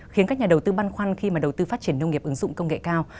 khiến các nhà đầu tư băn khoăn khi mà đầu tư phát triển nông nghiệp ứng dụng công nghệ cao